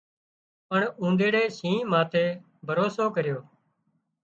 پڻ اونۮيڙي شينهن ماٿي ڀروسو ڪريو